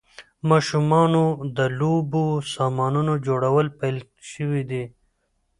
د ماشومانو د لوبو سامانونو جوړول پیل شوي دي.